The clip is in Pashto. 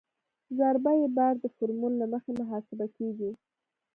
ضربه یي بار د فورمول له مخې محاسبه کیږي